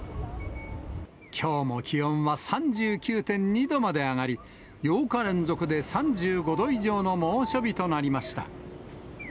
きょうも気温は３９．２度まで上がり、８日連続で３５度以上の猛暑日となりました。